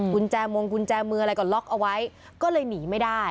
กุญแจมงกุญแจมืออะไรก็ล็อกเอาไว้ก็เลยหนีไม่ได้